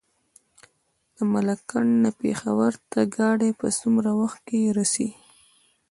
د ملاکنډ نه پېښور ته ګاډی په څومره وخت کې رسي؟